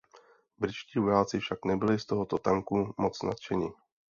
Britští vojáci však nebyli z tohoto tanku moc nadšeni.